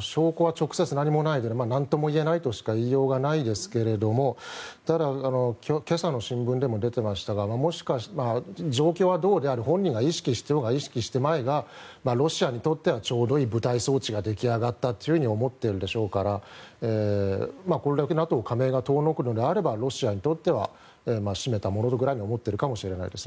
証拠は直接何もないので何とも言えないとしか言いようがないですがただ、今朝の新聞でも出ていましたが状況はどうであれ本人が意識してようが意識していまいがロシアにとってはちょうどいい部隊装置ができあがったと思っているでしょうからこれだけＮＡＴＯ加盟が遠のくのであればロシアにとってはしめたものくらいに思っているかもしれないですね。